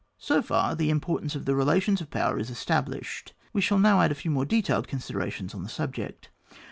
So far the importance of the relations of power is established: we shall now add a few more detailed considerations on the sub ject.